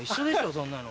そんなの。